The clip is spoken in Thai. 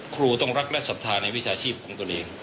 ครูต้องรักและศรัทธาในวิชาชีพของตัวเอง